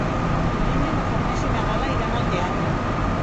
Diumenge na Farners i na Gal·la iran al teatre.